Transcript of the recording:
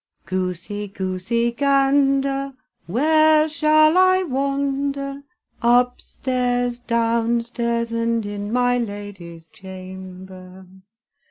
Goosey, goosey, gander, Where shall I wander? Upstairs, downstairs, And in my lady's chamber.